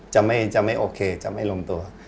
จะไม่โอเคจะไม่ลงตัว